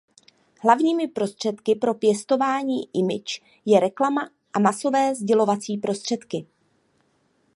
Hlavními prostředky pro pěstování image je reklama a masové sdělovací prostředky.